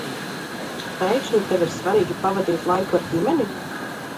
Pēkšņi tev ir svarīgi pavadīt laiku ar ģimeni?